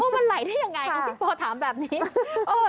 มันไหลได้ยังไงคุณพี่ปอถามแบบนี้